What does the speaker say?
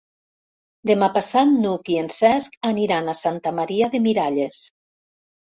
Demà passat n'Hug i en Cesc aniran a Santa Maria de Miralles.